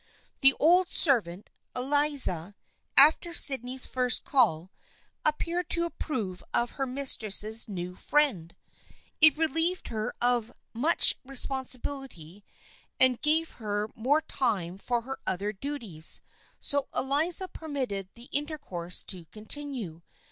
The old servant, Eliza, after Sydney's first call, appeared to approve of her mistress's new friend. 277 278 THE FRIENDSHIP OF ANNE It relieved her of much responsibility and gave her more time for her other duties, so Eliza per mitted the intercourse to continue.